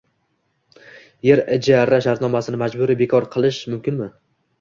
Yer ijara shartnomasini majburiy bekor qilish mumkinmi?ng